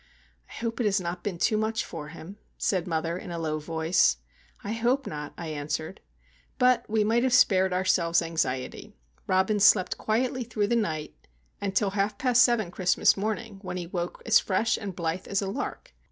"I hope it has not been too much for him," said mother, in a low voice. "I hope not," I answered. But we might have spared ourselves anxiety. Robin slept quietly through the night, and till half past seven Christmas morning, when he woke as fresh and blithe as a lark.